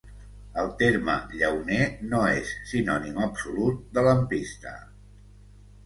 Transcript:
El terme llauner no és sinònim absolut de lampista.